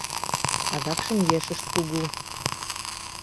Адакшым ешышт кугу.